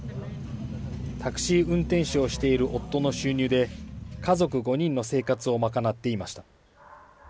タクシー運転手をしている夫の収入で、家族５人の生活を賄っていました。